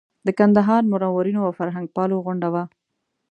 د کندهار منورینو او فرهنګپالو غونډه وه.